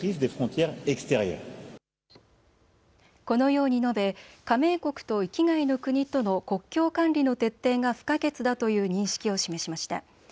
このように述べ加盟国と域外の国との国境管理の徹底が不可欠だという認識を示しました。